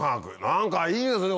何かいいですね